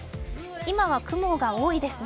今は雲が多いですね。